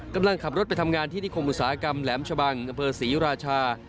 กำลังขับรถไปทำงานที่นิคมอุตสาหกรรมแหลมชะบังอำเภอศรีราชา